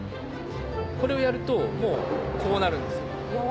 これをやるとこうなるんですよ。